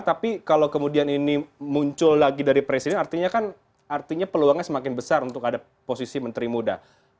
tapi kalau kemudian ini muncul lagi dari presiden artinya kan artinya peluangnya semakin besar untuk ada posisi menteri muda